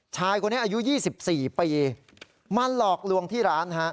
ชายคนนี้อายุ๒๔ปีมาหลอกลวงที่ร้านฮะ